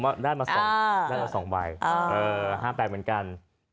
ฮะไม่สิผมล่านมาส่องใบฮ้ามแกดเหมือนกัน